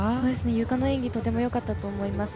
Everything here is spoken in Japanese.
ゆかの演技とてもよかったと思います。